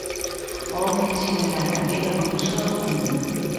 O home que sinalara era unha persoa do común.